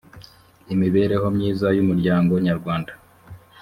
imibereho myiza y umuryango nyarwanda